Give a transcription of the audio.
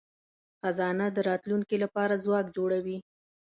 خزانه د راتلونکي لپاره ځواک جوړوي.